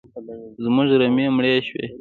زموږ رمې مړي شي